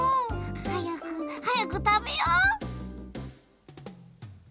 はやくはやくたべよう！